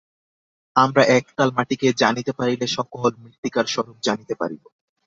আমরা একতাল মাটিকে জানিতে পারিলে সকল মৃত্তিকার স্বরূপ জানিতে পারিব।